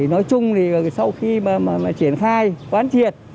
nói chung thì sau khi triển khai quán triệt